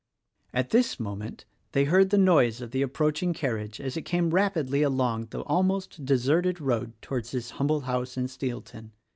At this moment they heard the noise of the approach ing carriage as it came rapidly along the almost deserted road toward this humble house in Steelton.